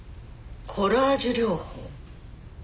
コラージュ療法。